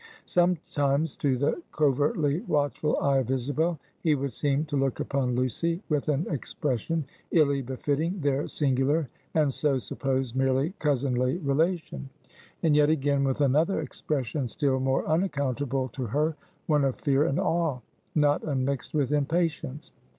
Sometimes, to the covertly watchful eye of Isabel, he would seem to look upon Lucy with an expression illy befitting their singular and so supposed merely cousinly relation; and yet again, with another expression still more unaccountable to her, one of fear and awe, not unmixed with impatience.